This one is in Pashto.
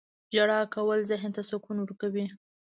• ژړا کول ذهن ته سکون ورکوي.